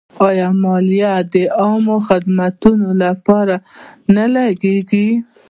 آیا مالیه د عامه خدماتو لپاره نه لګیږي؟